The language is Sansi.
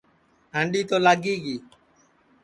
ہانڈی تو لاگی گی